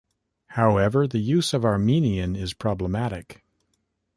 However, the use of Armenian is problematic.